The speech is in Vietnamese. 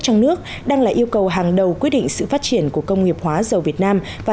trong nước đang là yêu cầu hàng đầu quyết định sự phát triển của công nghiệp hóa dầu việt nam và